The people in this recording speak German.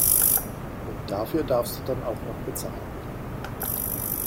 Und dafür darfst du dann auch noch bezahlen!